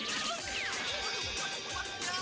aduh aduh aduh aduh aduh